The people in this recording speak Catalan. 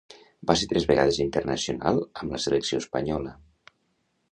Va ser tres vegades internacional amb la selecció espanyola.